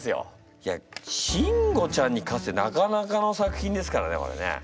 いやシンゴちゃんに勝つってなかなかの作品ですからねこれね。